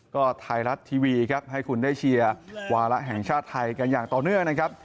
ก็ไทยรัฐทีวีครับให้คุณได้เชียร์วาระแห่งชาติไทยกันอย่างต่อเนื่องนะครับ